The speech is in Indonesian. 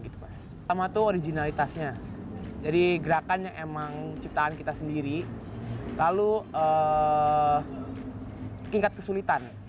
pertama tuh originalitasnya jadi gerakan yang emang ciptaan kita sendiri lalu tingkat kesulitan